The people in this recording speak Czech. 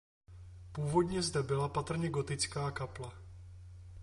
Původně zde byla patrně gotická kaple.